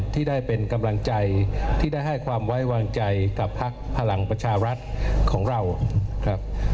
ที่ได้เป็นกำลังใจที่ได้ให้ความไว้วางใจกับพักพลังประชารัฐของเราครับ